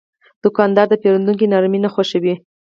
دوکاندار د پیرودونکي ناارامي نه خوښوي.